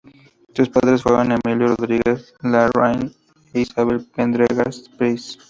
Sus padres fueron Emilio Rodríguez Larraín e Isabel Pendergast Price.